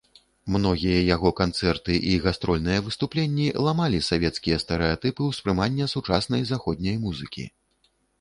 Многія яго канцэрты і гастрольныя выступленні ламалі савецкія стэрэатыпы ўспрымання сучаснай заходняй музыкі.